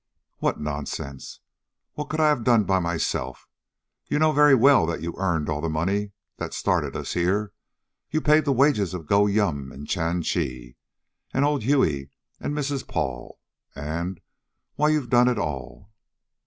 "What nonsense! What could I have done by myself? You know very well that you earned all the money that started us here. You paid the wages of Gow Yum and Chan Chi, and old Hughie, and Mrs. Paul, and why, you've done it all."